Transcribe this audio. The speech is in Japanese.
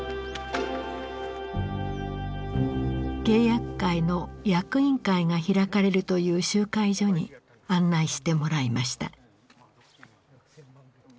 契約会の役員会が開かれるという集会所に案内してもらいました。